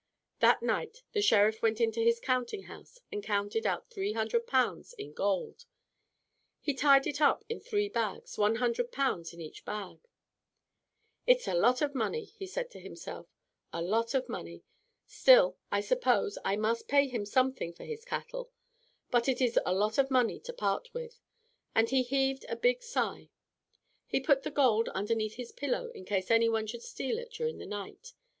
That night the Sheriff went into his counting house and counted out three hundred pounds in gold. He tied it up in three bags, one hundred pounds in each bag. "It's a lot of money," he said to himself, "a lot of money. Still, I suppose, I must pay him something for his cattle. But it is a lot of money to part with," and he heaved a big sigh. He put the gold underneath his pillow in case any one should steal it during the night.